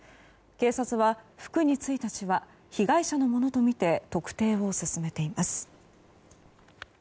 警察は服に付いた血は被害者のものとみて特定を進めています。